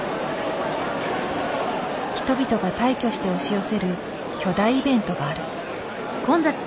人々が大挙して押し寄せる巨大イベントがある。